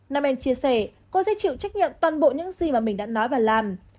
nam em chia sẻ cô sẽ chịu trách nhiệm toàn bộ những gì mà mình đã nói và làm